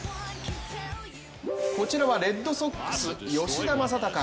こちらはレッドソックス・吉田正尚。